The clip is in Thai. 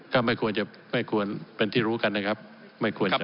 ก็ไม่ควรจะเป็นที่รู้กันนะครับ